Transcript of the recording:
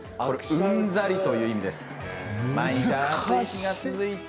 うんざりという意味です。